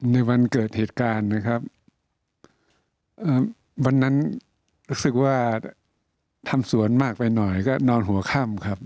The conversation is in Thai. ในวันเกิดเหตุการณ์นะครับวันนั้นรู้สึกว่าทำสวนมากไปหน่อยก็นอนหัวค่ำครับ